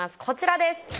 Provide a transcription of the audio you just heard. こちらです。